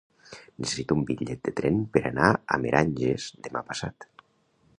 Necessito un bitllet de tren per anar a Meranges demà passat.